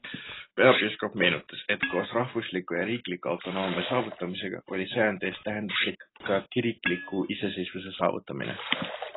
Peapiiskop meenutas, et koos rahvusliku ja riikliku autonoomia saavutamisega oli sajandi eest tähenduslik ka kirikliku iseseisvuse saavutamine.